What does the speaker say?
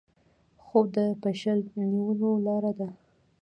خوب د شپه نیولې لاره ده